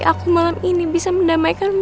siapa yang blirin kita tamung sama ayah cutie